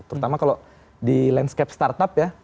terutama kalau di landscape startup ya